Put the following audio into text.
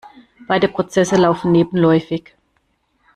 Beide Prozesse laufen nebenläufig.